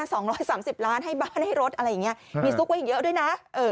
๒๓๐ล้านบาทให้บ้านให้รถอะไรเงี้ยมีซุกไว้เยอะด้วยนะ